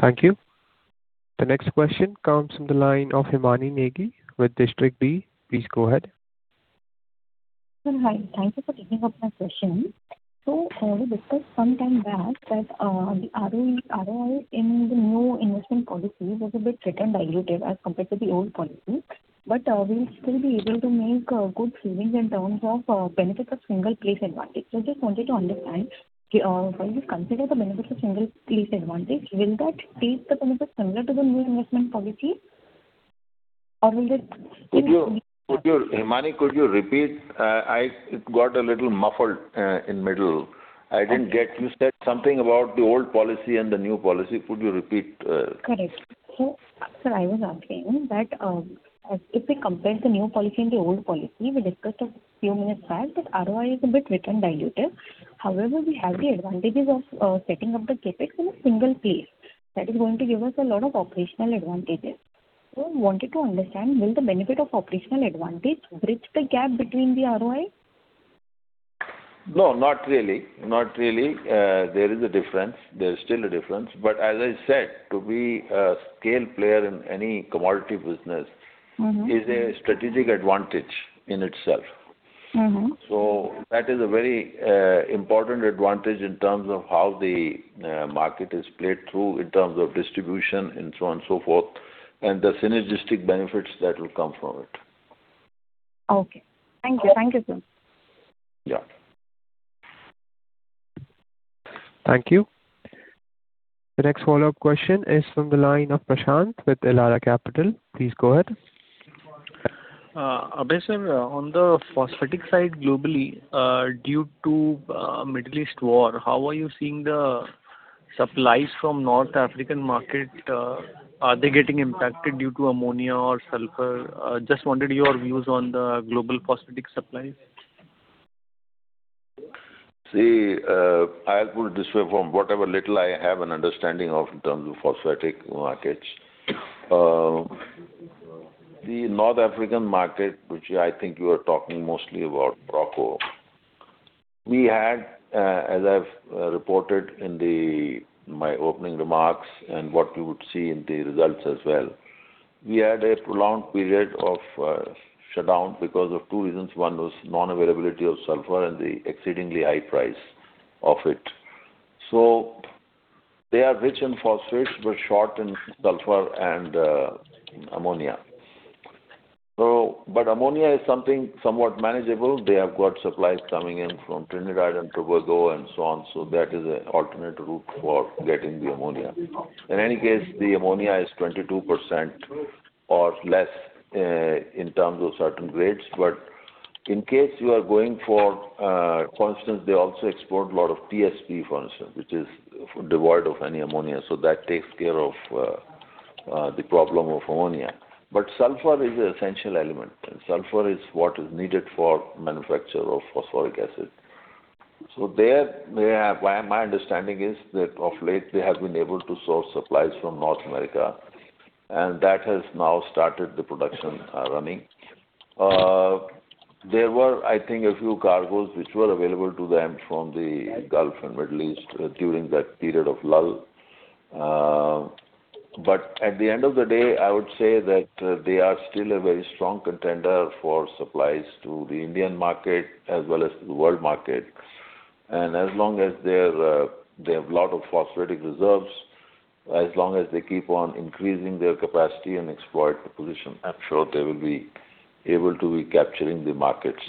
Thank you. The next question comes from the line of [Himani Negi] with [District B]. Please go ahead. Sir, hi. Thank you for taking up my question. We discussed some time back that the ROI in the New Investment Policy was a bit return dilutive as compared to the old policy. We'll still be able to make good savings in terms of benefit of single place advantage. I just wanted to understand, when we consider the benefit of single place advantage, will that take the benefit similar to the New Investment Policy or will it- [Himani], could you repeat? It got a little muffled in middle. I didn't get. You said something about the old policy and the new policy. Could you repeat? Correct. Sir, I was asking that if we compare the New Policy and the old policy, we discussed a few minutes back that ROI is a bit return dilutive. However, we have the advantages of setting up the CapEx in a single place that is going to give us a lot of operational advantages. I wanted to understand, will the benefit of operational advantage bridge the gap between the ROI? No, not really. There is a difference. There is still a difference. As I said, to be a scale player in any commodity business is a strategic advantage in itself. That is a very important advantage in terms of how the market is played through in terms of distribution and so on so forth, and the synergistic benefits that will come from it. Okay. Thank you, sir. Yeah. Thank you. The next follow-up question is from the line of Prashant with Elara Capital. Please go ahead. Abhay sir, on the phosphatic side globally, due to Middle East war, how are you seeing the supplies from North African market? Are they getting impacted due to ammonia or sulfur? Just wanted your views on the global phosphatic supplies. I'll put it this way from whatever little I have an understanding of in terms of phosphatic markets. The North African market, which I think you are talking mostly about Morocco. As I've reported in my opening remarks and what you would see in the results as well, we had a prolonged period of shutdown because of two reasons. One was non-availability of sulfur and the exceedingly high price of it. They are rich in phosphates, but short in sulfur and ammonia. Ammonia is something somewhat manageable. They have got supplies coming in from Trinidad and Tobago and so on. That is an alternate route for getting the ammonia. In any case, the ammonia is 22% or less in terms of certain grades. In case you are going for constants, they also export a lot of TSP, for instance, which is devoid of any ammonia. That takes care of the problem of ammonia. Sulfur is an essential element. Sulfur is what is needed for manufacture of phosphoric acid. There, my understanding is that of late, they have been able to source supplies from North America, and that has now started the production running. There were, I think, a few cargos which were available to them from the Gulf and Middle East during that period of lull. At the end of the day, I would say that they are still a very strong contender for supplies to the Indian market as well as to the world market. As long as they have lot of phosphatic reserves, as long as they keep on increasing their capacity and exploit the position, I'm sure they will be able to be capturing the markets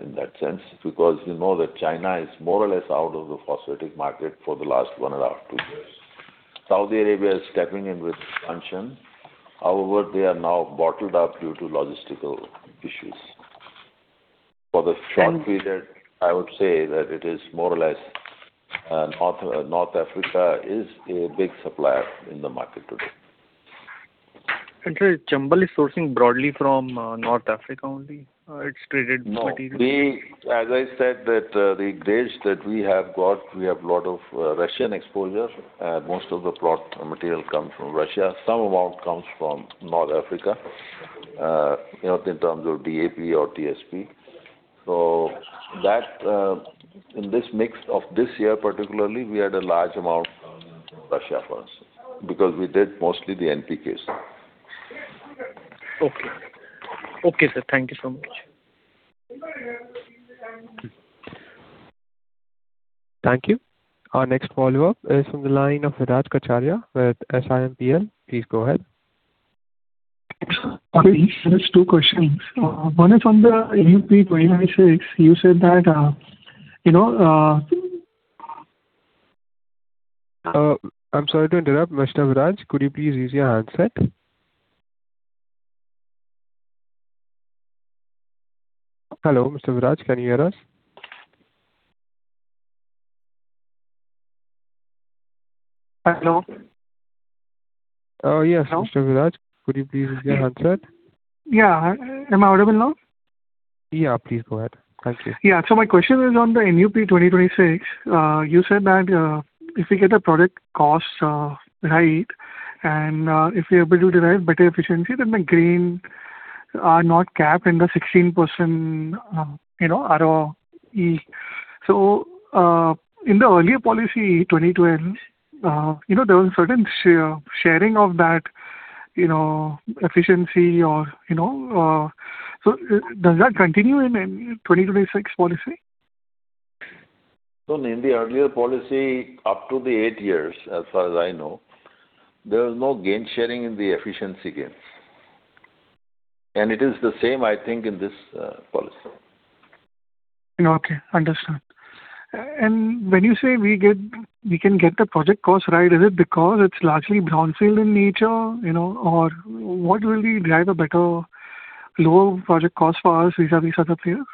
in that sense. You know that China is more or less out of the phosphatic market for the last one and a half, two years. Saudi Arabia is stepping in with Ma'aden. However, they are now bottled up due to logistical issues. For the short period, I would say that it is more or less North Africa is a big supplier in the market today. Sir, Chambal is sourcing broadly from North Africa only its traded material? No. As I said that the grades that we have got, we have lot of Russian exposure. Most of the potash material comes from Russia. Some amount comes from North Africa. In terms of DAP or TSP. In this mix of this year particularly, we had a large amount Russian sourced. Because we did mostly the NPKs. Okay. Okay, sir. Thank you so much. Thank you. Our next follower is from the line of Viraj Kacharia with SiMPL. Please go ahead. Viraj, there is two questions. One is on the NUP 2026. I'm sorry to interrupt, Mr. Viraj. Could you please use your handset? Hello, Mr. Viraj, can you hear us? Hello? Yes, Mr. Viraj, could you please use your handset? Yeah. Am I audible now? Yeah, please go ahead. Thank you. My question is on the NUP 2026. You said that if we get the product cost right, and if we are able to derive better efficiency, then the gains are not capped in the 16% ROE. In the earlier policy, 2012, there was a certain sharing of that efficiency. Does that continue in 2026 policy? In the earlier policy, up to the eight years, as far as I know, there was no gain sharing in the efficiency gains. It is the same, I think, in this policy. Okay, understood. When you say we can get the project cost right, is it because it's largely brownfield in nature? Or what will drive a better lower project cost for us vis-à-vis other players?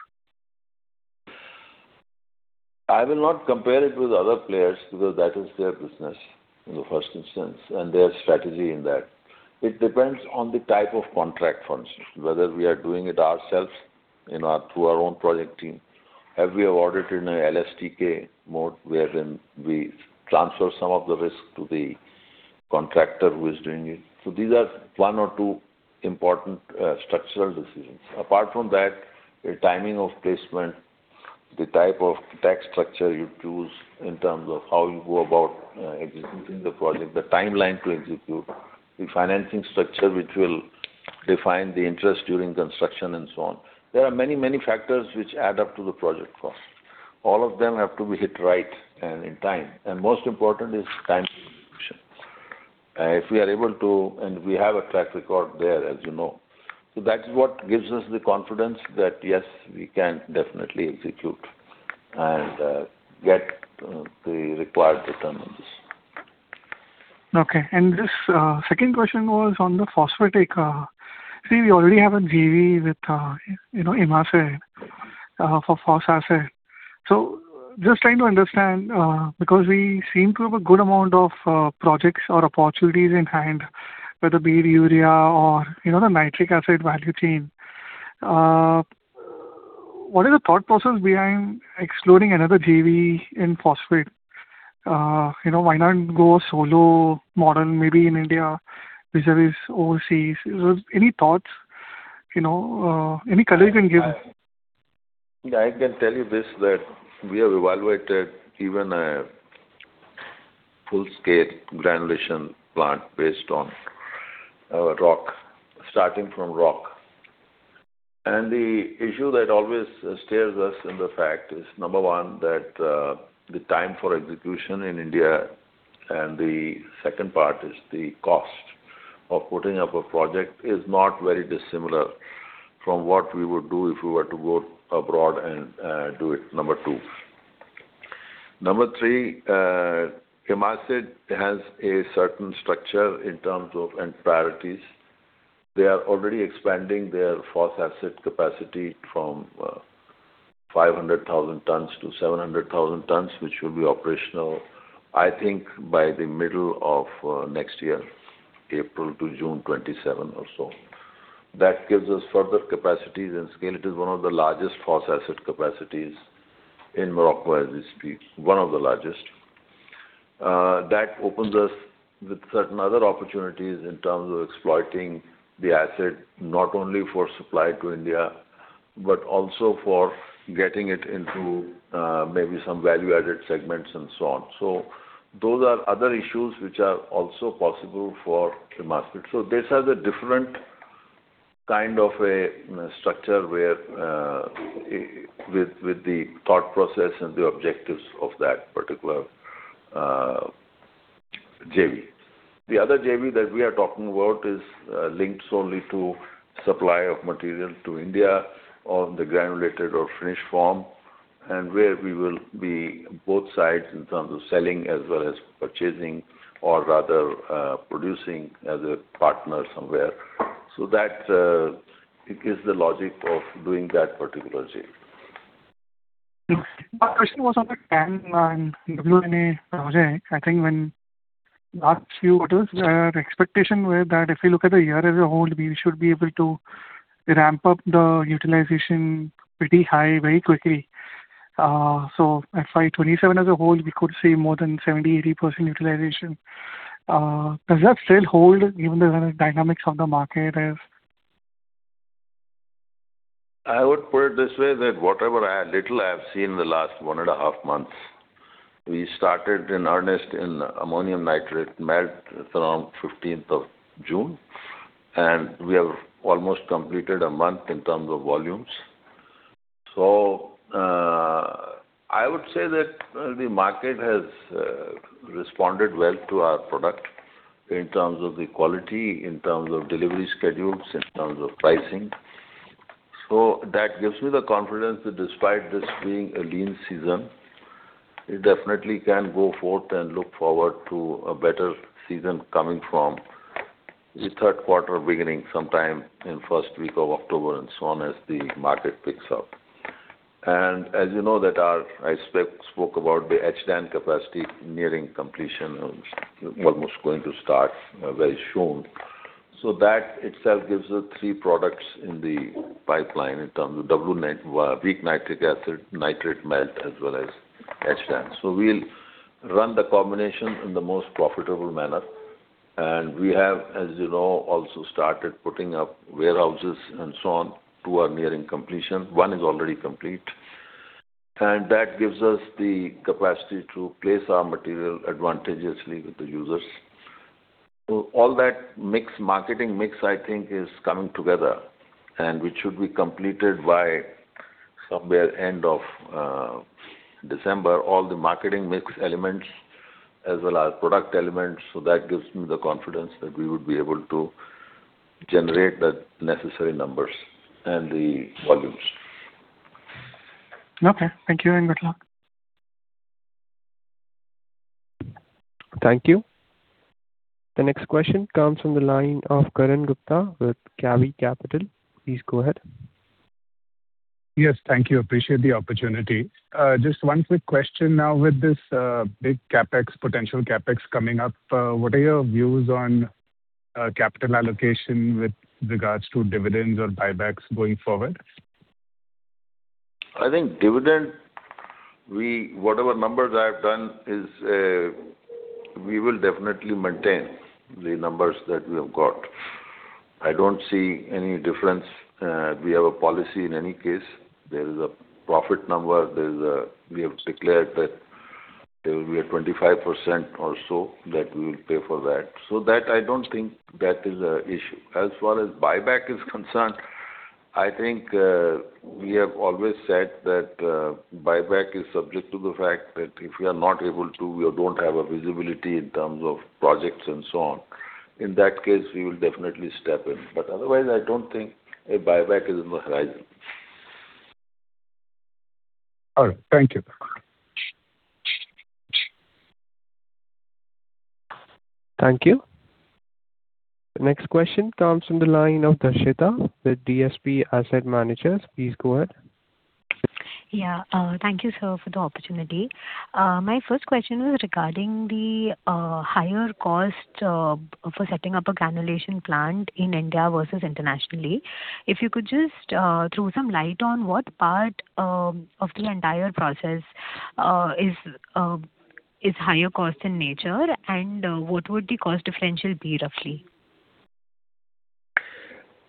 I will not compare it with other players because that is their business in the first instance, and their strategy in that. It depends on the type of contract funds, whether we are doing it ourselves through our own project team. Have we awarded in a LSTK mode, wherein we transfer some of the risk to the contractor who is doing it. These are one or two important structural decisions. Apart from that, the timing of placement, the type of tax structure you choose in terms of how you go about executing the project, the timeline to execute, the financing structure, which will define the interest during construction, and so on. There are many, many factors which add up to the project cost. All of them have to be hit right and in time. Most important is time to execution. We have a track record there, as you know. That is what gives us the confidence that, yes, we can definitely execute and get the required return on this. Okay. This second question was on the phosphatic. We already have a JV with IMACID for phosphoric acid. Just trying to understand, because we seem to have a good amount of projects or opportunities in hand, whether be it urea or the nitric acid value chain. What is the thought process behind exploring another JV in phosphate? Why not go solo model maybe in India vis-à-vis overseas? Any thoughts? Any color you can give? I can tell you this, that we have evaluated even a full scale granulation plant based on rock, starting from rock. The issue that always steers us in the fact is, number one, that the time for execution in India, and the second part is the cost of putting up a project, is not very dissimilar from what we would do if we were to go abroad and do it, number two. Number three, OCP has a certain structure in terms of priorities. They are already expanding their phosphoric acid capacity from 500,000 tons to 700,000 tons, which will be operational, I think, by the middle of next year, April to June 2027 or so. That gives us further capacities and scale. It is one of the largest phosphoric acid capacities in Morocco as we speak. One of the largest. That opens us with certain other opportunities in terms of exploiting the acid, not only for supply to India, but also for getting it into maybe some value-added segments and so on. Those are other issues which are also possible for OCP. This has a different kind of a structure with the thought process and the objectives of that particular JV. The other JV that we are talking about is linked solely to supply of material to India on the granulated or finished form, and where we will be both sides in terms of selling as well as purchasing or rather producing as a partner somewhere. That is the logic of doing that particular JV. My question was on the TAN and WNA project. I think when last few quarters, the expectation were that if you look at the year as a whole, we should be able to ramp up the utilization pretty high very quickly. FY 2027 as a whole, we could see more than 70%-80% utilization. Does that still hold even though the dynamics of the market have? I would put it this way, that whatever little I have seen in the last one and a half months, we started in earnest in Ammonium Nitrate Solution Melt around 15th of June, and we have almost completed a month in terms of volumes. I would say that the market has responded well to our product in terms of the quality, in terms of delivery schedules, in terms of pricing. That gives me the confidence that despite this being a lean season, we definitely can go forth and look forward to a better season coming from the third quarter, beginning sometime in first week of October and so on, as the market picks up. As you know, I spoke about the HDAN capacity nearing completion, almost going to start very soon. That itself gives us three products in the pipeline in terms of Weak Nitric Acid, Ammonium Nitrate Solution Melt as well as HDAN. We'll run the combination in the most profitable manner, and we have, as you know, also started putting up warehouses and so on. Two are nearing completion. One is already complete. That gives us the capacity to place our material advantageously with the users. All that marketing mix, I think, is coming together and which should be completed by somewhere end of December, all the marketing mix elements as well as product elements. That gives me the confidence that we would be able to generate the necessary numbers and the volumes. Okay. Thank you and good luck. Thank you. The next question comes from the line of Karan Gupta with CAVI Capital. Please go ahead. Yes, thank you. Appreciate the opportunity. Just one quick question now with this big potential CapEx coming up, what are your views on capital allocation with regards to dividends or buybacks going forward? I think dividend, whatever numbers I have done is we will definitely maintain the numbers that we have got. I don't see any difference. We have a policy in any case. There is a profit number. We have declared that there will be a 25% or so that we will pay for that. That I don't think that is an issue. As far as buyback is concerned, I think we have always said that buyback is subject to the fact that if we are not able to, we don't have a visibility in terms of projects and so on. In that case, we will definitely step in. Otherwise, I don't think a buyback is on the horizon. All right. Thank you. Thank you. The next question comes from the line of Darshita with DSP Asset Managers. Please go ahead. Yeah. Thank you, sir, for the opportunity. My first question was regarding the higher cost for setting up a granulation plant in India versus internationally. If you could just throw some light on what part of the entire process is higher cost in nature, and what would the cost differential be roughly?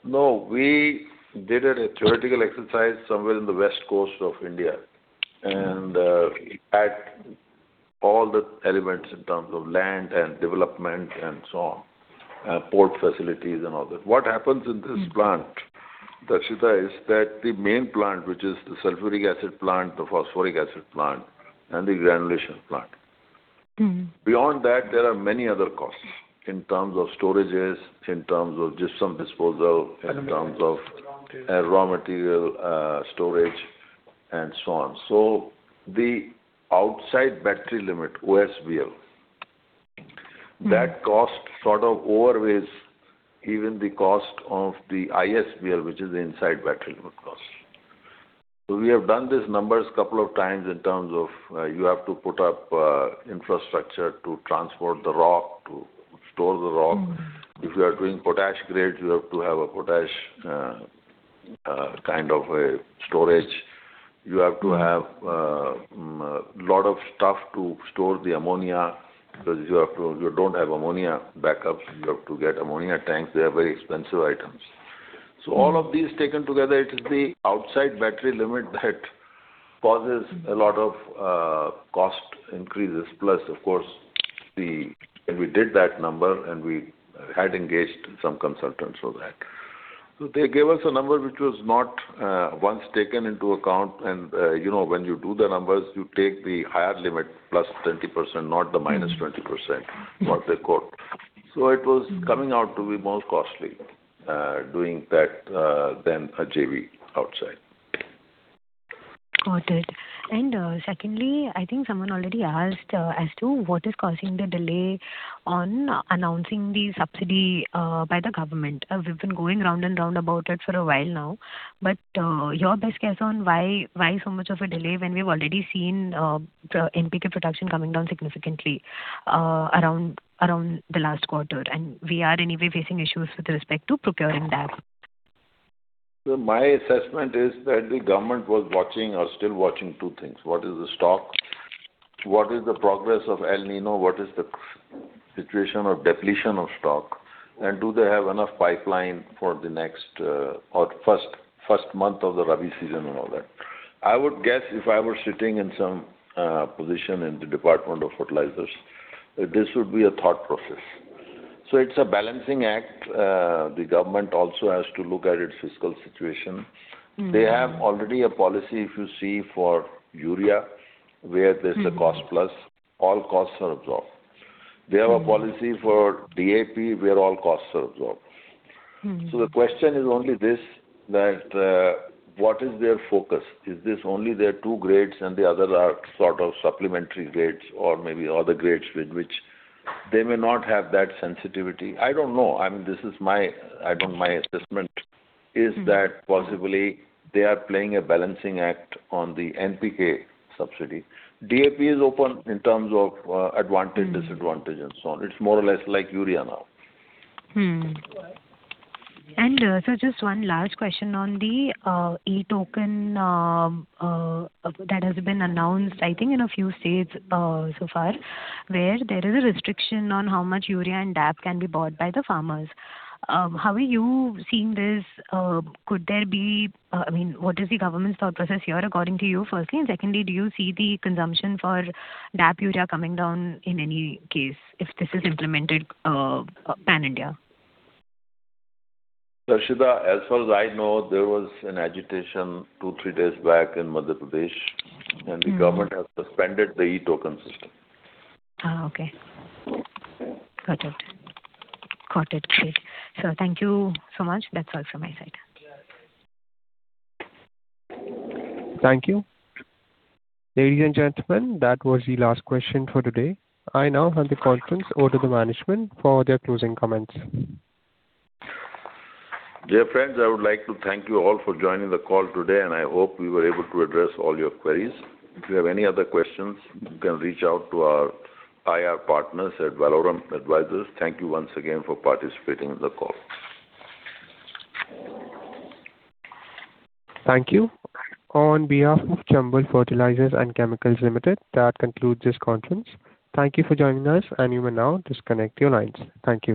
We did a theoretical exercise somewhere in the West Coast of India, and we add all the elements in terms of land and development and so on, port facilities and all that. What happens in this plant, Darshita, is that the main plant, which is the sulfuric acid plant, the phosphoric acid plant, and the granulation plant. Beyond that, there are many other costs in terms of storages, in terms of gypsum disposal, in terms of raw material storage, and so on. The outside battery limit, OSBL, that cost sort of overweighs even the cost of the ISBL, which is the inside battery limit cost. We have done these numbers a couple of times in terms of you have to put up infrastructure to transport the rock, to store the rock. If you are doing potash grade, you have to have a potash kind of a storage. You have to have a lot of stuff to store the ammonia because you don't have ammonia backups. You have to get ammonia tanks. They are very expensive items. All of these taken together, it is the outside battery limit that causes a lot of cost increases. Plus, of course, when we did that number and we had engaged some consultants for that. They gave us a number which was not once taken into account, and when you do the numbers, you take the higher limit +20%, not the -20% of the quote. It was coming out to be more costly doing that than a JV outside. Got it. Secondly, I think someone already asked as to what is causing the delay on announcing the subsidy by the government. We've been going round and round about it for a while now. Your best guess on why so much of a delay when we've already seen NPK production coming down significantly around the last quarter, and we are anyway facing issues with respect to procuring that. My assessment is that the government was watching or still watching two things. What is the stock? What is the progress of El Niño? What is the situation of depletion of stock? And do they have enough pipeline for the next or first month of the Rabi season and all that? I would guess if I were sitting in some position in the Department of Fertilizers, this would be a thought process. It's a balancing act. The government also has to look at its fiscal situation. They have already a policy, if you see, for urea, where there's a cost plus, all costs are absorbed. They have a policy for DAP, where all costs are absorbed. The question is only this, that what is their focus? Is this only their two grades and the other are sort of supplementary grades or maybe other grades with which they may not have that sensitivity? I don't know. My assessment is that possibly they are playing a balancing act on the NPK subsidy. DAP is open in terms of advantage, disadvantage, and so on. It's more or less like urea now. Sir, just one last question on the e-token that has been announced, I think in a few states so far, where there is a restriction on how much urea and DAP can be bought by the farmers. How are you seeing this? What is the government's thought process here according to you, firstly? Secondly, do you see the consumption for DAP urea coming down in any case if this is implemented pan-India? Darshita, as far as I know, there was an agitation two, three days back in Madhya Pradesh, the government has suspended the e-token system. Got it. Sir, thank you so much. That's all from my side. Thank you. Ladies and gentlemen, that was the last question for today. I now hand the conference over to the management for their closing comments. Dear friends, I would like to thank you all for joining the call today, and I hope we were able to address all your queries. If you have any other questions, you can reach out to our IR partners at Valorem Advisors. Thank you once again for participating in the call. Thank you. On behalf of Chambal Fertilisers and Chemicals Limited, that concludes this conference. Thank you for joining us, and you may now disconnect your lines. Thank you.